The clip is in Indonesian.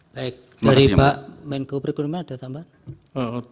baik dari pak menko perekonomian ada tambahan